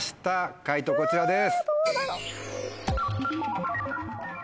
解答こちらです。